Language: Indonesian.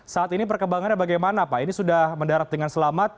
saat ini perkembangannya bagaimana pak ini sudah mendarat dengan selamat